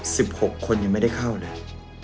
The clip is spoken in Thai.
หกคนยังไม่ได้เข้าเลย